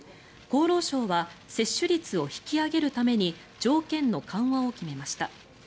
厚労省は接種率を引き上げるために条件の緩和を決めました。